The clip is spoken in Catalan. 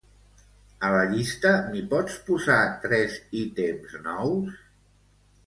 A la llista m'hi pots posar tres ítems nous?